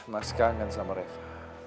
mas kangen sama rafa